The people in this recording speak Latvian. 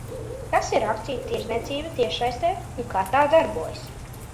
Kas ir akciju tirdzniecība tiešsaistē un kā tā darbojas?